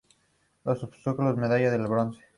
En los obtuvo una medalla de bronce.